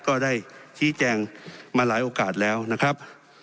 ก็ได้ชี้แจงมาหลายโอกาสแล้วนะครับ